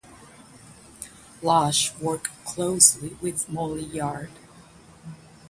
Lash worked closely with Molly Yard.